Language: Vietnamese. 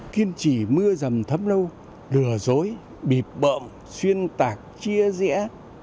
kiên trì mưa dầm thấm lâu lừa dối bị bợm xuyên tạc chia rẽ